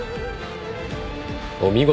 お見事。